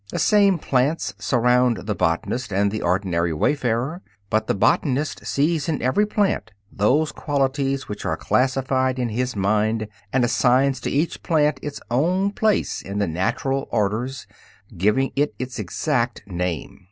The same plants surround the botanist and the ordinary wayfarer, but the botanist sees in every plant those qualities which are classified in his mind, and assigns to each plant its own place in the natural orders, giving it its exact name.